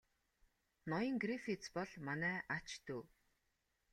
Ноён Грифитс бол манай ач дүү.